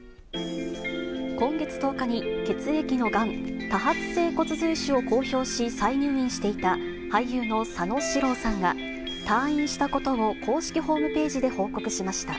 今月１０日に、血液のがん、多発性骨髄腫を公表し、再入院していた俳優の佐野史郎さんが、退院したことを公式ホームページで報告しました。